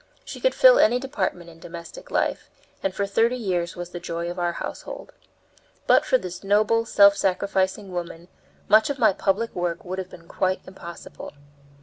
She could fill any department in domestic life, and for thirty years was the joy of our household. But for this noble, self sacrificing woman, much of my public work would have been quite impossible.